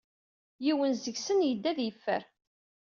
Yiwen seg-sen yedda ad yeffer.